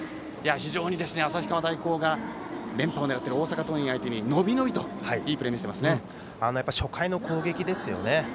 非常に旭川大高が連覇を狙っている大阪桐蔭相手にのびのびと、いいプレーを初回の攻撃ですよね。